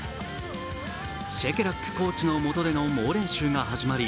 シェケラックコーチのもとでの猛練習が始まり